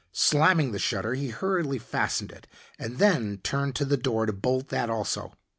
Slamming the shutter he hurriedly fastened it and then turned to the door to bolt that also.